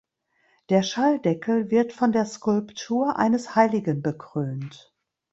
Der Schalldeckel wird von der Skulptur eines Heiligen bekrönt.